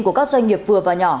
của các doanh nghiệp vừa và nhỏ